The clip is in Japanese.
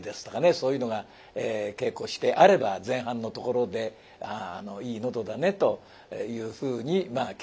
そういうのが稽古してあれば前半のところでいい喉だねというふうに聞かせる噺なんだそうです。